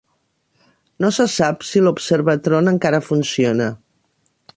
No se sap si l'Observatron encara funciona.